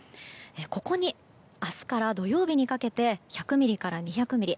ここに明日から土曜日にかけて１００ミリから２００ミリ。